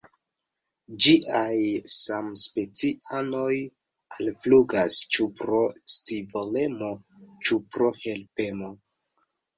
Ĝiaj samspecianoj alflugas ĉu pro scivolemo, ĉu pro helpemo.